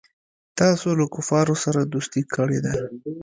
تاسو له کفارو سره دوستي کړې ده.